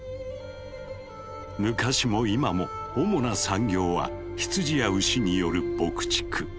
昔も今も主な産業は羊や牛による牧畜。